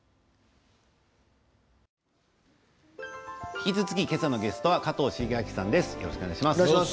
引き続き今朝のゲストは加藤シゲアキさんです。